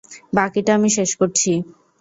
বাকিটা আমি শেষ করছি।